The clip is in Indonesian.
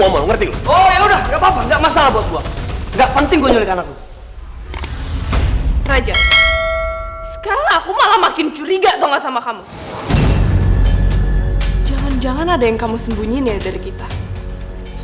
mona kamu harus mikir kamu gak bisa kayak gini terus